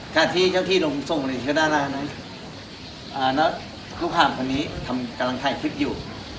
การที่เจ้าที่ลงส่งในเที่ยวหน้าหน้านั้นลูกห่างคนนี้กำลังถ่ายคลิปอยู่